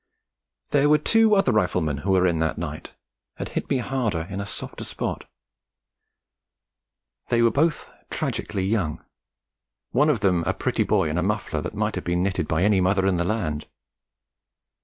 There were two other Riflemen who were in that night, and hit me harder in a softer spot. They were both tragically young, one of them a pretty boy in a muffler that might have been knitted by any mother in the land.